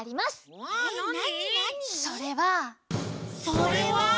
それは？